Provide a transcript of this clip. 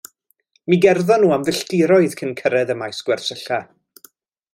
Mi gerddon nhw am filltiroedd cyn cyrraedd y maes gwersylla.